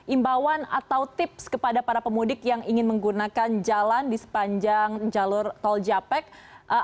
imbauan atau tips kepada para pemudik yang ingin menggunakan jalan di sepanjang jalur tol japek